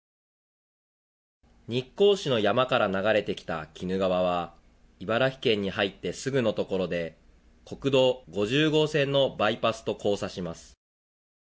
日光市の山から流れてきた鬼怒川は茨城県に入ってすぐのところで国道５０号線のバイパスと交差します。